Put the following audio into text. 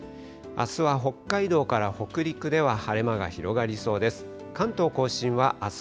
あすは北海道から北陸では晴れ間が広がりそうです。